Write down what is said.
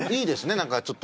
なんかちょっと。